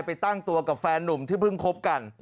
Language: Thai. ไปตั้งตัวกับแฟนนุ่มที่เพิ่งคบกัน